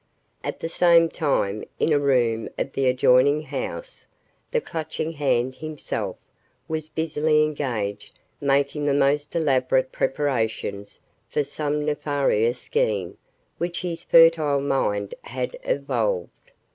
At the same time, in a room of the adjoining house, the Clutching Hand himself was busily engaged making the most elaborate preparations for some nefarious scheme which his fertile mind had evolved.